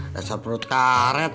rasap perut karet